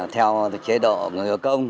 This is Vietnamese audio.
theo chế độ người có công